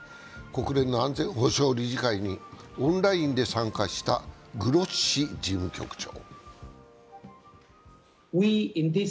国連の安全保障理事会にオンラインで参加したグロッシ事務局長。